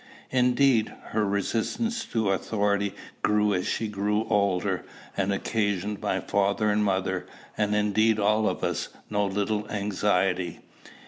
Indeed, her resistance to authority grew as she grew older, and occasioned my father and mother, and indeed all of us, no little anxiety.